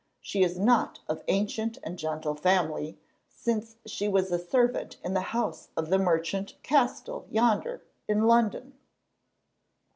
She is not of ancient and gentle family, since she was a servant in the house of the merchant Castell yonder, in London."